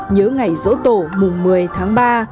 nhớ ngày dỗ tổ mùng một mươi tháng ba